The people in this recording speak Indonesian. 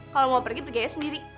kalau mau pergi pergi sendiri